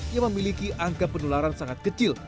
yang memiliki angka penularan sangat kecil